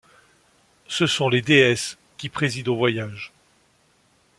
Ce sont les déesses qui président au voyage.